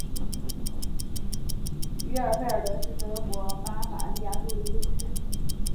于尔费尔德是德国巴伐利亚州的一个市镇。